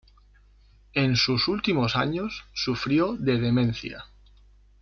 En sus últimos años sufrió de demencia.